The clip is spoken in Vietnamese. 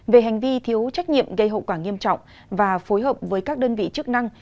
về hành vi thiếu trách nhiệm gây hậu quả nghiêm trọng và phối hợp với các đơn vị chức năng